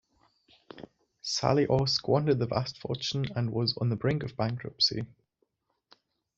Sally Aw squandered the vast fortune and was on the brink of bankruptcy.